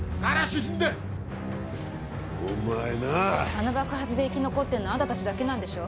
あの爆発で生き残ってんのあんたたちだけなんでしょ？